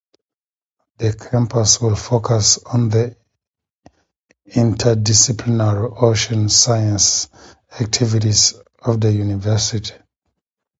The Campus will focus on the inter-disciplinary Ocean Sciences activities of the university.